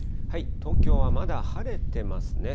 東京はまだ晴れてますね。